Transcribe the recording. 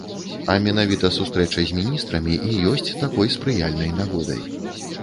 А менавіта сустрэча з міністрамі і ёсць такой спрыяльнай нагодай.